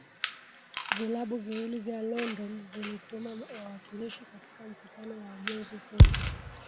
vilabu viwili vya london vilituma wawakilishi katika mkutano wa Wajenzi huru